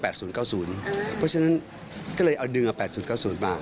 เพราะฉะนั้นก็เลยเอาดึงมา๘๐๙๐บาท